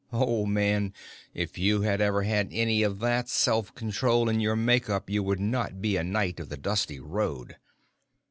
Old Man, if you had ever had any of that Self Control in your make up you would not be a Knight of the Dusty Road!...